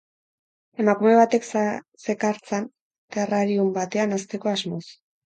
Emakume batek zekartzan, terrarium batean hazteko asmoz.